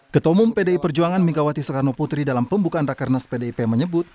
ketua umum pdi perjuangan megawati soekarno putri dalam pembukaan rakernas pdip menyebut